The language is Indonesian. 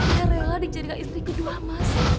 ia rela dijadikan istri kedua mas